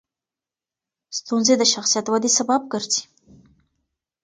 ستونزې د شخصیت ودې سبب ګرځي.